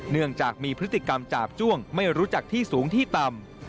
เนื่องจากมีพฤติกรรมจาบจ้วงไม่รู้จักที่สูงที่ต่ำ